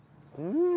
うん！